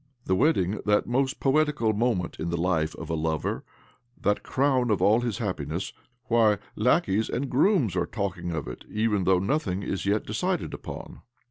The wedding, that most poetical moment in the life of a lover, that crown of all his happiness — why, lacqueys and grooms are talking of it even though nothing is yet decided upon